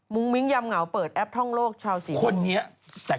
มุมมิ้งยำเหงาเปิดแอปท่องโลกที่ชาวศีลมัน